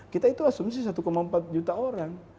kita itu asumsi satu empat juta orang